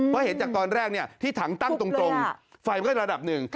เพราะเห็นจากตอนแรกที่ถังตั้งตรงไฟมันก็ระดับหนึ่ง